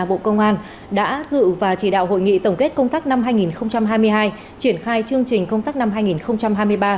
bộ công an đã dự và chỉ đạo hội nghị tổng kết công tác năm hai nghìn hai mươi hai triển khai chương trình công tác năm